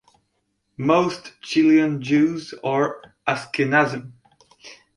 Most Chilean Jews are Ashkenazim.